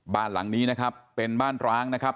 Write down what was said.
บ้านหลังนี้นะครับเป็นบ้านร้างนะครับ